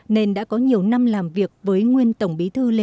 nên đã có nhiều năm làm việc với nguyên tổng bí thư lê